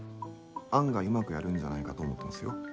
案外うまくやるんじゃないかと思ってますよ。